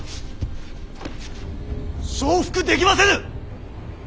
承服できませぬ！